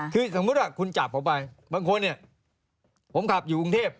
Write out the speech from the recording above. คือสมมุติว่าคุณจับผมไปบางคนเนี่ยผมขับอยู่กรุงเทพ